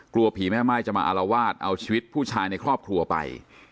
กลัวผีแม่ม่ายจะมาอารวาสเอาชีวิตผู้ชายในครอบครัวไป